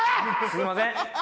すいません